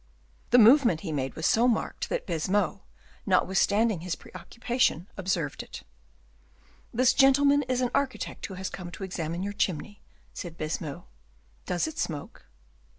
The movement he made was so marked that Baisemeaux, notwithstanding his preoccupation, observed it. "This gentleman is an architect who has come to examine your chimney," said Baisemeaux; "does it smoke?"